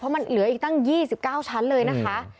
มันเหลืออีกตั้ง๒๙ชั้นเลยนะคะ